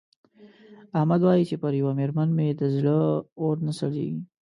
احمد وايې چې پر یوه مېرمن مې د زړه اور نه سړېږي.